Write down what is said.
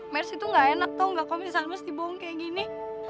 mers itu gak enak tau gak kalo misalnya mesti bohong kayak gini